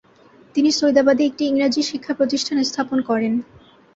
তিনি সৈদাবাদে একটি ইংরাজী শিক্ষা প্রতিষ্ঠান স্থাপন করেন।